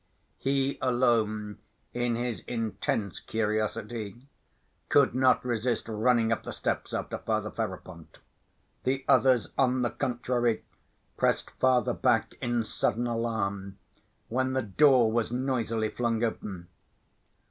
He alone, in his intense curiosity, could not resist running up the steps after Father Ferapont. The others, on the contrary, pressed farther back in sudden alarm when the door was noisily flung open.